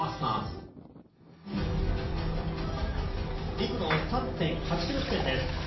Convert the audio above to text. ２区の３．８ｋｍ地点です。